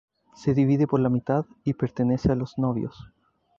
Se divide por la mitad y pertenece a los novios.